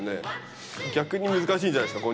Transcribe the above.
逆に難しいんじゃないすか？